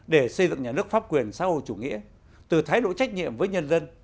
để xây dựng nhà nước pháp quyền xã hội chủ nghĩa từ thái độ trách nhiệm với nhân dân